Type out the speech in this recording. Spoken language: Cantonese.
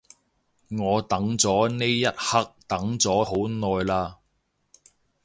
我等咗呢一刻等咗好耐嘞